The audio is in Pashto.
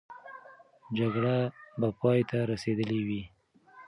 جګړه به پای ته رسېدلې وي.